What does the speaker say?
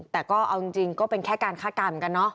แต่ก็เอาจริงก็เป็นแค่การคาดการณ์เหมือนกันเนาะ